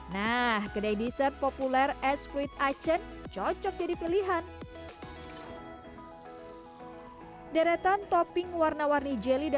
nah kedai dessert populer